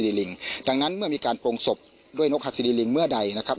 ลิงดังนั้นเมื่อมีการโปรงศพด้วยนกฮาซีรีลิงเมื่อใดนะครับ